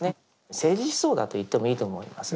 政治思想だと言ってもいいと思います。